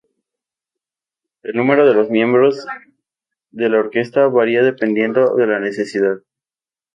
El número de los miembros de la orquesta varía dependiendo de la necesidad.